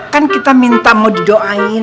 kan kita minta mau didoain